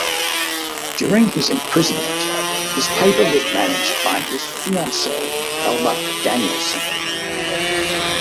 During his imprisonment, his paper was managed by his fiancee, Elma Danielsson.